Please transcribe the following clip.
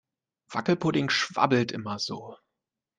Wackelpudding schwabbelt immer so.